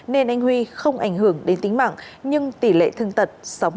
nên anh huy không ảnh hưởng đến tính mạng nhưng tỷ lệ thương tật sáu mươi